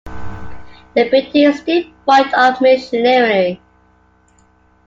The building is devoid of machinery.